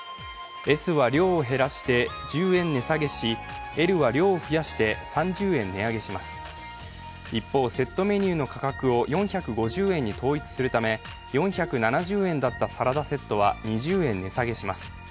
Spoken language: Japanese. Ｓは量を減らして１０円値下げしＬは量を増やして３０円値上げします一方、セットメニューの価格を４５０円に統一するため４７０円だったサラダセットは２０円値下げします。